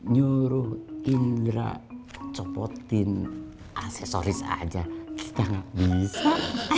nyuruh indra copotin aksesoris aja kita gak bisa